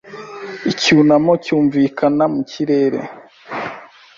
Icyunamo cyunvikana mu kirere